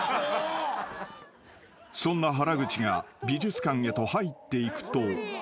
［そんな原口が美術館へと入っていくと］